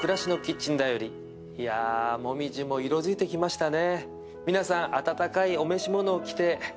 いや、紅葉も色づいてきましたね。